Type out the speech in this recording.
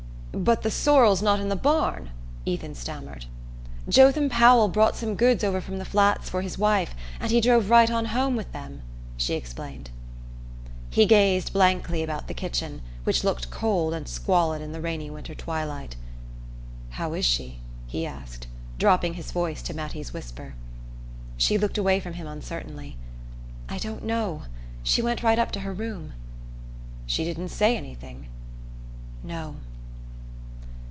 "But the sorrel's not in the barn!" Ethan stammered. "Jotham Powell brought some goods over from the Flats for his wife, and he drove right on home with them," she explained. He gazed blankly about the kitchen, which looked cold and squalid in the rainy winter twilight. "How is she?" he asked, dropping his voice to Mattie's whisper. She looked away from him uncertainly. "I don't know. She went right up to her room." "She didn't say anything?" "No."